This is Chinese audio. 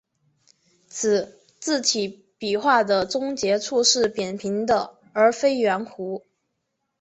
此字体笔画的终结处是扁平的而非圆弧。